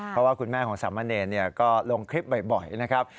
เพราะว่าคุณแม่ของสามเณรก็ลงคลิปบ่อยนะครับ